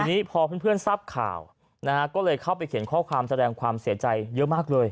ทีนี้พอเพื่อนทราบข่าวนะฮะก็เลยเข้าไปเขียนข้อความแสดงความเสียใจเยอะมากเลย